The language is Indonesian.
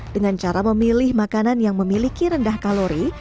dengan cara memilih makanan yang memiliki rendah kalori